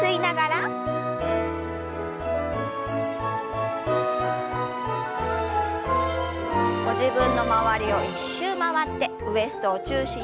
ご自分の周りを１周回ってウエストを中心にぎゅっとねじります。